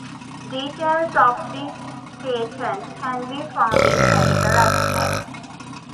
Details of this patent can be found in "Chemical Abstracts".